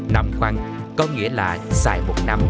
nam quang có nghĩa là xài một năm